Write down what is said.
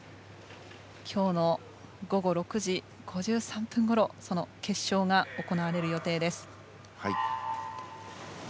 今日の午後６時５３分ごろその決勝が行われる予定です。